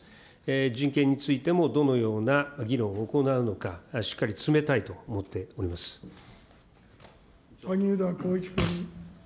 人権についてもどのような議論を行うのか、しっかり詰めたいと思萩生田光一君。